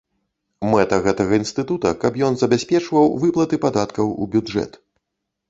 Мэта гэтага інстытута, каб ён забяспечваў выплаты падаткаў у бюджэт.